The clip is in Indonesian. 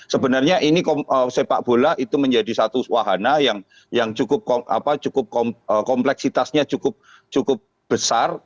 sebenarnya ini sepak bola itu menjadi satu wahana yang cukup kompleksitasnya cukup besar